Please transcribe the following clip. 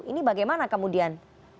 ini bagaimana kemudian